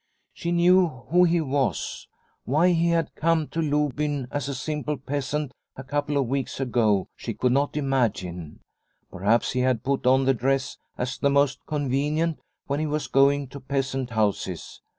She knew who he was. Why he had come to Lobyn as a simple peasant a couple of weeks ago she could not imagine. Perhaps he had put on the dress as the most convenient when he was going to peasant houses.